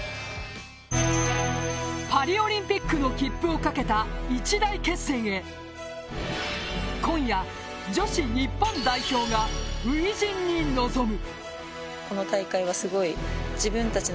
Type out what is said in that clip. パリオリンピックの切符をかけた一大決戦へ今夜、女子日本代表が初陣に臨む。